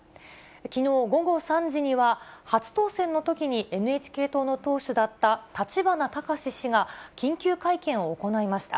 きのう午後３時には、初当選のときにＮＨＫ党の党首だった立花孝志氏が、緊急会見を行いました。